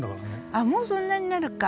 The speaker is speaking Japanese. ああもうそんなになるか。